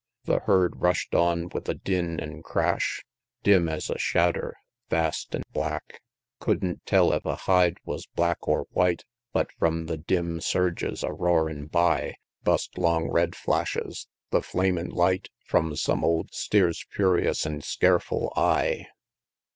The herd rush'd oh with a din an' crash, Dim es a shadder, vast an' black; Couldn't tell ef a hide wus black or white, But from the dim surges a roarin' by Bust long red flashes the flamin' light From some old steer's furious an' scareful eye.